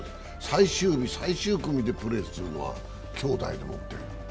最終日最終組でプレーするのはきょうだいでもって。